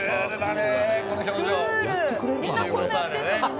みんなこんなやってるのにね。